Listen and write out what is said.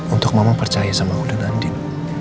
untuk mama percaya sama aku dan andin